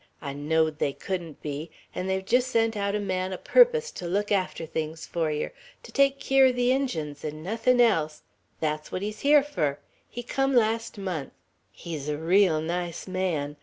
I knowed they couldn't be,' an' they've jest sent out a man a purpose to look after things fur yer, to take keer o' the Injuns 'n' nothin' else. That's what he's here fur. He come last month; he's a reel nice man.